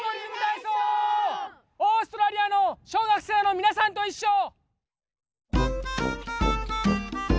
オーストラリアの小学生のみなさんといっしょ！